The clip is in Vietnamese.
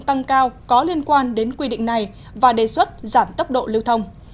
tăng cao có liên quan đến quy định này và đề xuất giảm tốc độ lưu thông